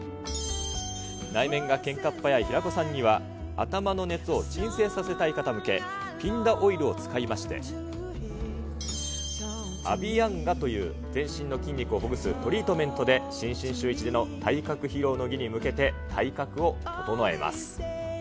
内面がけんかっ早い平子さんには頭の熱を沈静させたい方向け、ピンダオイルを使いまして、アヴィヤンガという全身の筋肉をほぐすトリートメントで新春シューイチでの体格披露の儀に向けて、体格を整えます。